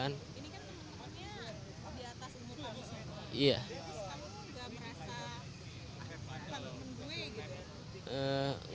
ini kan tempatnya di atas umur kamu jadi kamu tidak merasa terlalu mengembui gitu